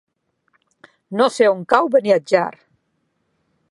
No sé on cau Beniatjar.